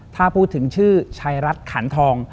ถ้าพูดถึงชื่อชายรัฐขันทอง